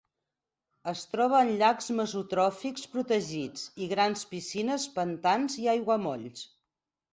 Es troba en llacs mesotròfics protegits i grans piscines, pantans i aiguamolls.